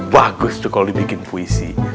bagus tuh kalau dibikin puisi